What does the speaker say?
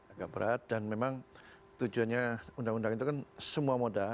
agak berat dan memang tujuannya undang undang itu kan semua moda